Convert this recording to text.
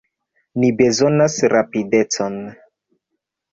Ni bezonas rapidecon!